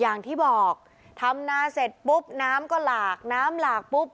อย่างที่บอกทำนาเสร็จปุ๊บน้ำก็หลากน้ำหลากปุ๊บ